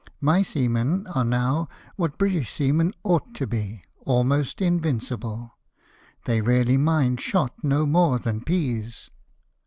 My seamen are now what British seamen ought to be, almost invincible. They really mind shot no more than peas."